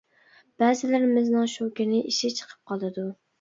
بەزىلىرىمىزنىڭ شۇ كۈنى ئىشى چىقىپ قالىدۇ.